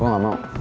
gue gak mau